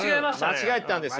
間違えてたんですよ。